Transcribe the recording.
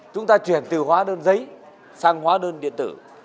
chúng ta chuyển từ hóa đơn giấy sang hóa đơn điện tử